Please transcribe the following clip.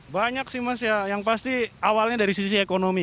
banyak sih mas ya yang pasti awalnya dari sisi ekonomi